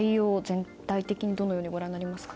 全体的にどのようにご覧になりますか？